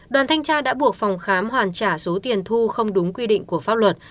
đoàn thanh tra đã buộc phòng khám hoàn trả số tiền thu không đúng quy định của pháp luật